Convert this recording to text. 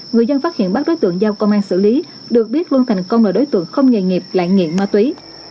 người dân phát hiện bắt đối tượng giao công an xử lý được biết luân thành công là đối tượng không nghề nghiệp lại nghiện ma túy